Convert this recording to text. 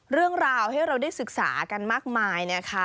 เรื่องราวให้เราได้ศึกษากันมากมายนะคะ